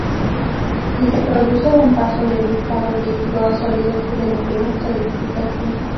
Si se produce un paso del estado líquido a sólido se denomina solidificación.